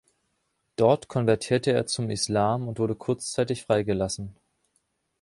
Dort konvertierte er zum Islam und wurde kurzzeitig freigelassen.